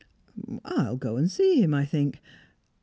"I'll go and see him, I think.